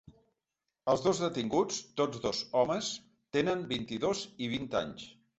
Els dos detinguts, tots dos homes, tenen vint-i-dos i vint anys.